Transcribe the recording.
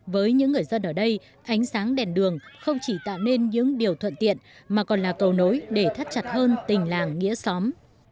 với những người dân ở đây ánh sáng đèn đường không chỉ tạo nên những điều thuận tiện mà còn là cầu nối để thắt chặt hơn tình làng nghĩa xóm